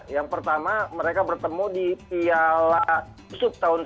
yang pertama mereka bertemu di piala subtaunis